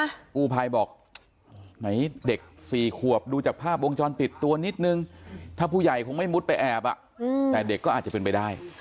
กู้ภัยบอกไหนเด็กสี่ขวบดูจากภาพวงจรปิดตัวนิดนึงถ้าผู้ใหญ่คงไม่มุดไปแอบอ่ะแต่เด็กก็อาจจะเป็นไปได้